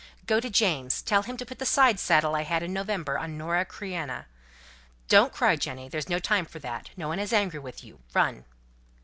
"Go to James, tell him to put the side saddle I had in November on Nora Creina. Don't cry, Jenny. There's no time for that. No one is angry with you. Run!"